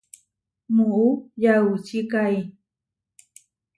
Muú yaučikái.